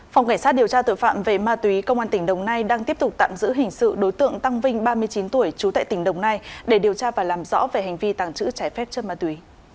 phòng cảnh sát điều tra tội phạm về ma túy công an tỉnh đồng nai đang tiếp tục tạm giữ hình sự đối tượng tăng vinh ba mươi chín tuổi trú tại tỉnh đồng nai để điều tra và làm rõ về hành vi tàng trữ trái phép chất ma túy